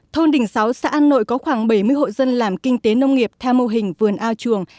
thôn đình sáu xã an nội có khoảng bảy mươi hội dân làm kinh tế nông nghiệp theo mô hình vườn ao chuồng